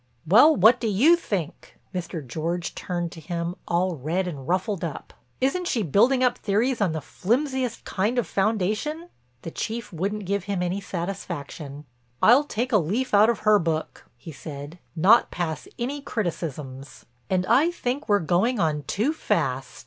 "Well, what do you think?" Mr. George turned to him all red and ruffled up. "Isn't she building up theories on the flimsiest kind of foundation?" The Chief wouldn't give him any satisfaction. "I'll take a leaf out of her book," he said, "not pass any criticisms. And I think we're going on too fast.